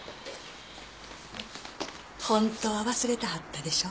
ホントは忘れてはったでしょ？